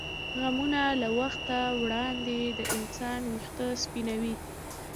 غمونه له وخته وړاندې د انسان وېښته سپینوي.